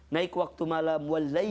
naik waktu malam